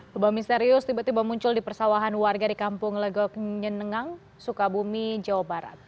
lubang misterius tiba tiba muncul di persawahan warga di kampung legok nyenengang sukabumi jawa barat